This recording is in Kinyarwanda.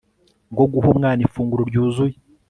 bwo guha umwana ifunguro ryuzuye